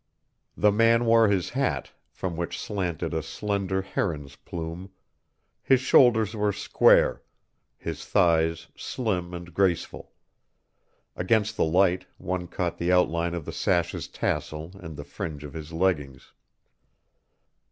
The man wore his hat, from which slanted a slender heron's plume; his shoulders were square; his thighs slim and graceful. Against the light, one caught the outline of the sash's tassel and the fringe of his leggings.